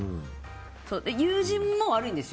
友人も悪いんですよ